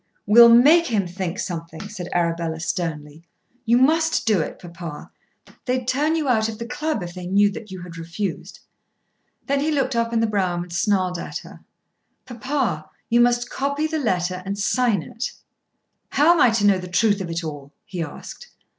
"We'll make him think something," said Arabella sternly. "You must do it, papa. They'd turn you out of the club if they knew that you had refused." Then he looked up in the brougham and snarled at her. "Papa, you must copy the letter and sign it." "How am I to know the truth of it all?" he asked.